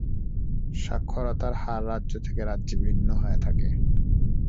সাক্ষরতার হার রাজ্য থেকে রাজ্যে বিভিন্ন হয়ে থাকে।